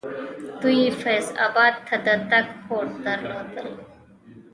دوی فیض اباد ته د تګ هوډ درلودل.